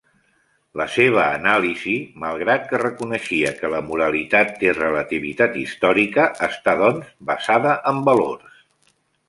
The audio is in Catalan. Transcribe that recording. La seva anàlisi, malgrat que reconeixia que la moralitat té relativitat històrica, està, doncs, basada en valors.